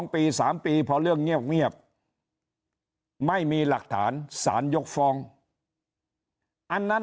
ปี๓ปีพอเรื่องเงียบไม่มีหลักฐานสารยกฟ้องอันนั้น